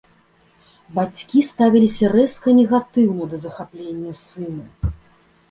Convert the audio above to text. Бацькі ставіліся рэзка негатыўна да захаплення сына.